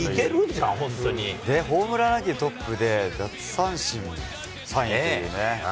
ホームランランキングトップで奪三振３位というね。